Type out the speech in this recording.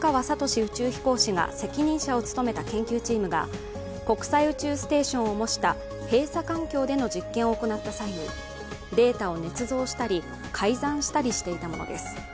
宇宙飛行士が責任者を務めた研究チームが国際宇宙ステーションを模した閉鎖環境での実験を行った際にデータをねつ造したり改ざんしたりしていたものです。